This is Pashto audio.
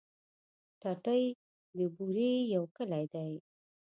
ټټۍ د بوري يو کلی دی.